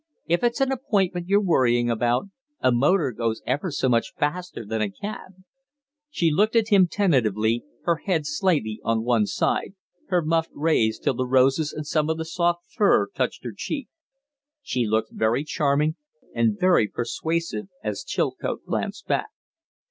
If it's an appointment you're worrying about, a motor goes ever so much faster than a cab " She looked at him tentatively, her head slightly on one side, her muff raised till the roses and some of the soft fur touched her cheek. She looked very charming and very persuasive as Chilcote glanced back.